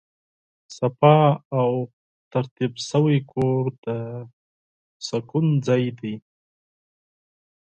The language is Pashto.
پاک او ترتیب شوی کور د سکون ځای دی.